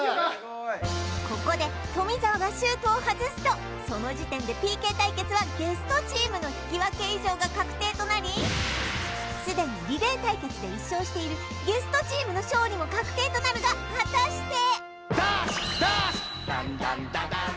ここで富澤がシュートを外すとその時点でＰＫ対決はゲストチームの引き分け以上が確定となりすでにリレー対決で１勝しているゲストチームの勝利も確定となるが果たして？